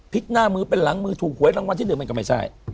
หน้ามือเป็นหลังมือถูกหวยรางวัลที่หนึ่งมันก็ไม่ใช่